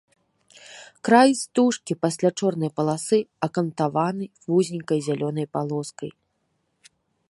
Край стужкі пасля чорнай паласы акантаваны вузенькай зялёнай палоскай.